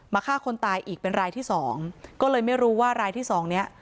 ฆ่าคนตายอีกเป็นรายที่สองก็เลยไม่รู้ว่ารายที่สองเนี้ย